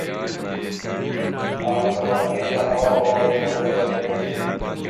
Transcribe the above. خاکوانی صاحب اور میں تو ہیں۔